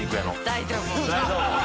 大丈夫！